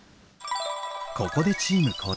ここでチーム交代。